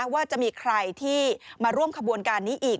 ว่าจะมีใครที่มาร่วมขบวนการนี้อีก